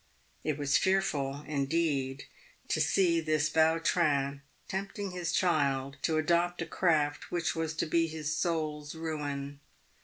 It was fearful, indeed, to see this Vautrin tempting his child to adopt a craft which was to be his soul's ruin.